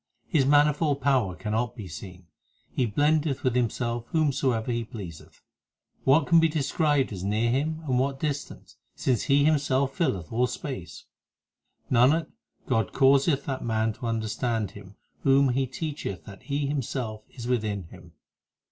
His manifold power cannot be seen ; He blendeth with Himself whomsoever He pleaseth. What can be described as near Him and what distant, Since He Himself filleth all space ? Nanak, God causeth that man to understand Him Whom he teacheth that He Himself is within him.